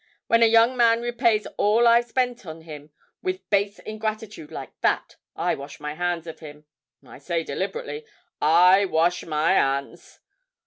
When a young man repays all I've spent on him with base ingratitude like that, I wash my hands of him I say deliberately I wash my 'ands.